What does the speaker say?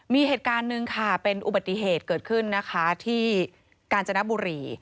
มีเหตุการณ์หนึ่งค่ะเป็นอุบัติเหตุเกิดขึ้นนะคะที่กาญจนบุรี